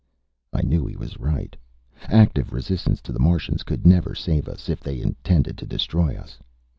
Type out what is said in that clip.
I knew he was right. Active resistance to the Martians could never save us, if they intended to destroy us.